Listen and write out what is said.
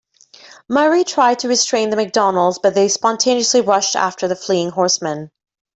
Murray tried to restrain the MacDonalds, but they spontaneously rushed after the fleeing horsemen.